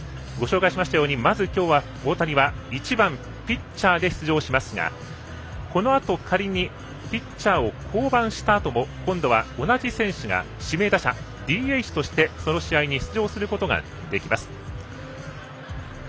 ご紹介しましたようにまず今日、大谷は１番ピッチャーで出場しますがこのあと仮にピッチャーを降板したあとも今度は同じ選手が指名打者、ＤＨとしてその試合に出場することができます。